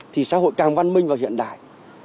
thì xã hội càng văn minh và hiện đại